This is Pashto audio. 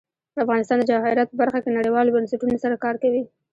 افغانستان د جواهرات په برخه کې نړیوالو بنسټونو سره کار کوي.